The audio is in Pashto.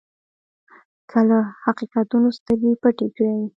که له حقیقتونو سترګې پټې کړئ.